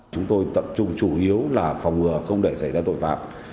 chúng tôi tập trung chủ yếu là phòng ngừa không để xảy ra tội phạm